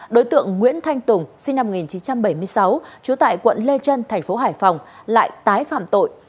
đối tượng nguyễn thanh tùng sinh năm một nghìn chín trăm bảy mươi sáu chú tại quận lê trân tp hải phòng lại tái phạm tội